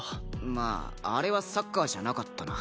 まああれはサッカーじゃなかったな。